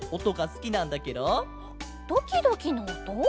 「ドキドキのおと」？